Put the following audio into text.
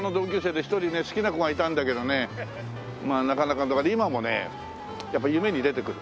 好きな子がいたんだけどねまあなかなか今もねやっぱ夢に出てくる。